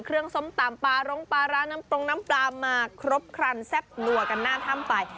ส้มตำปลาร้งปลาร้าน้ำตรงน้ำปลามาครบครันแซ่บนัวกันหน้าถ้ำไป